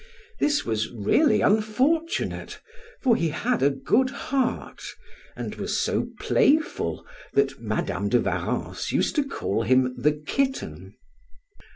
This was really unfortunate, for he had a good heart, and was so playful that Madam de Warrens used to call him the kitten.